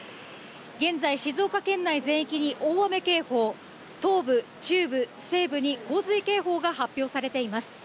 現在、静岡県内全域に大雨警報、東部、中部、西部に洪水警報が発表されています。